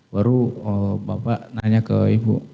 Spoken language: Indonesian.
baru bapak nanya ke ibu